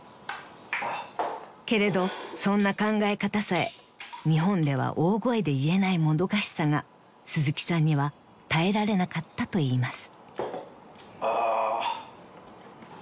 ［けれどそんな考え方さえ日本では大声で言えないもどかしさが鈴木さんには耐えられなかったといいます］